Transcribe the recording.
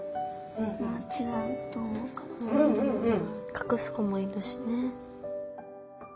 かくす子もいるしね。